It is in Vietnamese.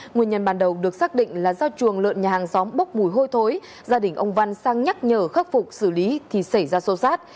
nguyên nhân ban đầu được xác định là do chuồng lợn nhà hàng xóm bốc mùi hôi thối gia đình ông văn sang nhắc nhở khắc phục xử lý thì xảy ra xô xát